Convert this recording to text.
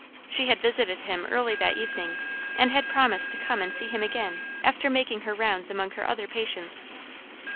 She had visited him early that evening, and had promised to come and see him again after making her rounds among her other patients.